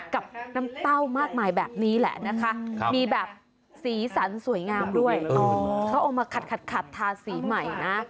ก็เอามีมาขัดคัดภาษาสีใหม่นะ